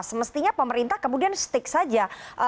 semestinya pemerintah kemudian stick saja